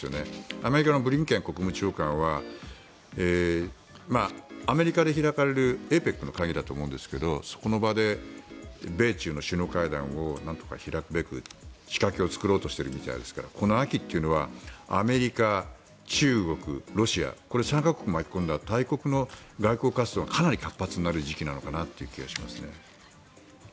アメリカのブリンケン国務長官はアメリカで開かれるＡＰＥＣの会議だと思うんですがそこの場で米中の首脳会談をなんとか開くべく仕掛けを作ろうとしているみたいですからこの秋というのはアメリカ、中国、ロシアこれ、３か国を巻き込んだ大国の外交活動がかなり活発になる時期なのかなという気がしますね。